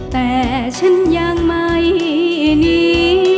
แต่ฉันยังไม่หนี